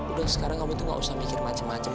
udah sekarang kamu tuh gak usah mikir macem macem